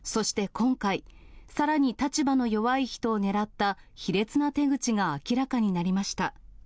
今回、さらに立場の弱い人を狙った卑劣な手口が明らかになりました。